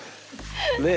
ねえ。